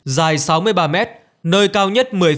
dài sáu mươi ba m nơi cao nhất